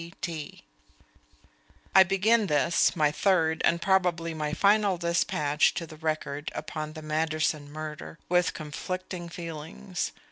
P. T. I begin this, my third and probably my final despatch to the Record upon the Manderson murder, with conflicting feelings.